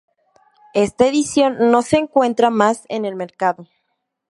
Esta edición no se encuentra más en el mercado.